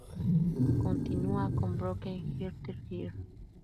Continúa con Broken-Hearted Girl.